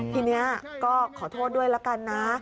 ทีนี้ก็ขอโทษด้วยละกันนะ